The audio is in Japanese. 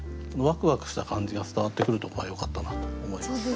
ワクワクした感じが伝わってくるとこがよかったなと思います。